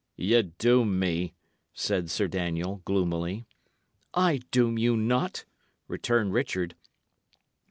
"Ye doom me," said Sir Daniel, gloomily. "I doom you not," returned Richard.